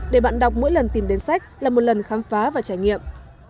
để bạn đọc mỗi lần tìm đến sách là một lần khám phá và trải nghiệm